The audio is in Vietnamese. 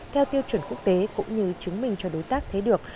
theo tiêu chuẩn quốc tế cũng như chứng minh cho đối tác thấy được